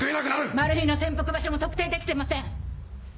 マル被の潜伏場所も特定できていません！